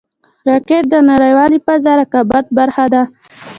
راکټ د نړیوال فضا رقابت برخه ده